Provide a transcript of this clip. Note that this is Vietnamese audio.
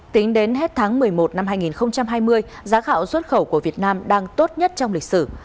tính đến hết tháng một mươi một năm hai nghìn hai mươi giá gạo xuất khẩu của việt nam đang tốt nhất trong lịch sử